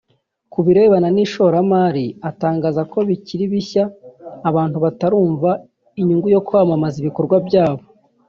Ku birebana n’ishoramari atangaza ko bikiri bishya abantu batarumva inyungu yo kwamamaza ibikorwa byabo